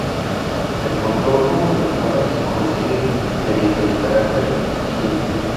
El contorno de la cara se consigue mediante el carácter "ji".